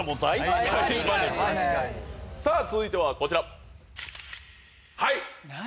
続いてはこちら。